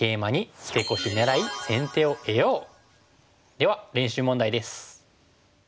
では練習問題です。